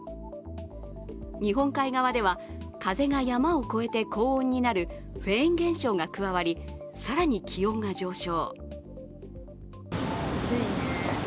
日本海側では風が山を越えて高温になるフェーン現象が加わり更に気温が上昇。